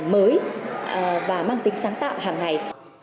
mới và mang tính sáng tạo hàng ngày